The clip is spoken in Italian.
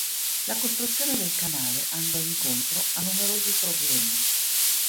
La costruzione del canale andò incontro a numerosi problemi.